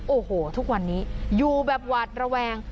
โอ้โหทุกวันนี้อยู่แบบหวาดระแวง